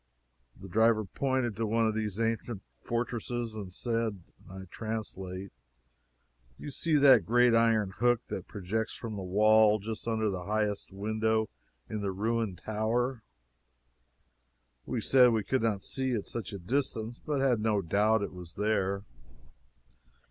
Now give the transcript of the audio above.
The driver pointed to one of these ancient fortresses, and said, (I translate): "Do you see that great iron hook that projects from the wall just under the highest window in the ruined tower?" We said we could not see it at such a distance, but had no doubt it was there.